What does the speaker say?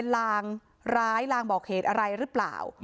ลางร้ายลางบอกเหตุอะไรหรือเปล่า